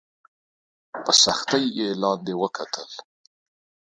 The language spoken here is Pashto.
په سختۍ یې لاندي وکتل !